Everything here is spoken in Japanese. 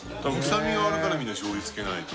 臭みがあるからみんな醤油つけないと。